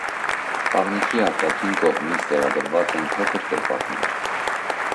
Բաղնիքի արտաքին կողմից տեղադրված են փոքր կրպակներ։